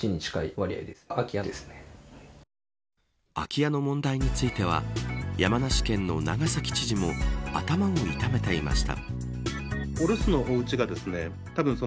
空き家の問題については山梨県の長崎知事も頭を痛めていました。